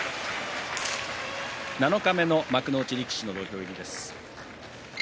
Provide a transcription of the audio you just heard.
七日目の幕内力士の土俵入りです。